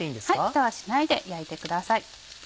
ふたはしないで焼いてください。